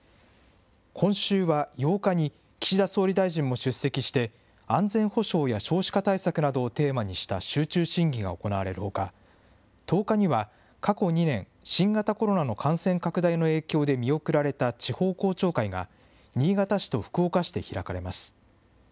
今週は８日に岸田総理大臣も出席して、安全保障や少子化対策などをテーマにした集中審議が行われるほか、１０日には過去２年、新型コロナの感染拡大の影響で見送られた地方公聴会が、新潟市と福岡市で開かれます。